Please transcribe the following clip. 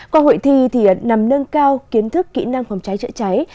qua hội thi nằm nâng cao kiến thức kỹ năng phòng cháy chữa cháy